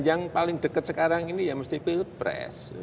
yang paling dekat sekarang ini ya mesti pilpres